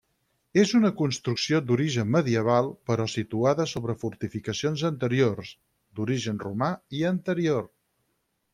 És una construcció d'origen medieval però situada sobre fortificacions anteriors, d'origen romà i anterior.